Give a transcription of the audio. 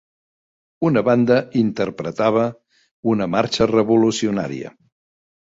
Una banda interpretava una marxa revolucionària.